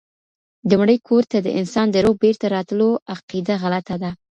د مړي کور ته د انسان د روح بيرته راتلو عقيده غلطه ده